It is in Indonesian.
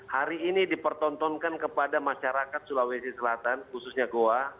hari ini dipertontonkan kepada masyarakat sulawesi selatan khususnya goa